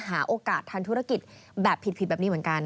หาโอกาสทางธุรกิจแบบผิดแบบนี้เหมือนกัน